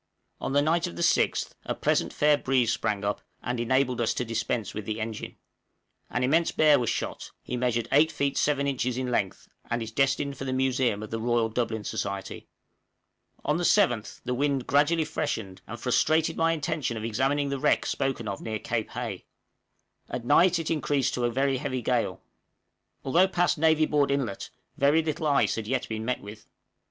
_ On the night of the 6th a pleasant, fair breeze sprang up, and enabled us to dispense with the engine. An immense bear was shot; he measured 8 feet 7 inches in length, and is destined for the museum of the Royal Dublin Society. On the 7th the wind gradually freshened and frustrated my intention of examining the wreck spoken of near Cape Hay; at night it increased to a very heavy gale. Although past Navy Board Inlet, very little ice had yet been met with.